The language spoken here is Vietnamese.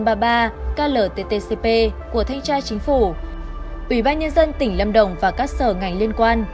của thanh tra chính phủ ubnd tỉnh lâm đồng và các sở ngành liên quan